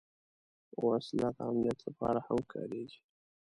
وسله د امنیت لپاره هم کارېږي